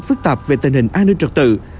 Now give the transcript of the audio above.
phức tạp về tình hình an ninh trật tự